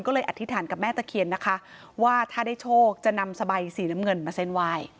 ก็เลยอธิษฐานกับแม่ตะเคียนนะคะว่าถ้าได้โชคจะนำสบายสีน้ำเงินมาเส้นไหว้